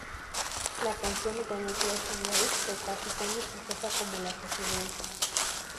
La canción "When I Close My Eyes" fue casi tan exitosa como la precedente.